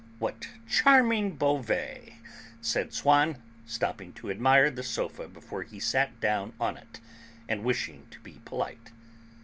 "What charming Beauvais!" said Swann, stopping to admire the sofa before he sat down on it, and wishing to be polite.